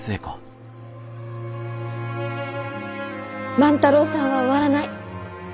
万太郎さんは終わらない！